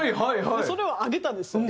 それをあげたんですよ。